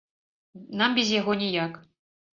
Нам без яго ніяк.